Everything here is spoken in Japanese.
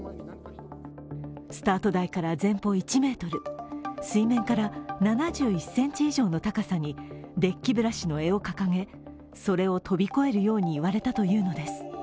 スタート台から前方１ｍ、水面から７１ｃｍ以上の高さにデッキブラシの柄を掲げ、それを飛び越えるように言われたというのです。